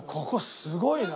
すごいね。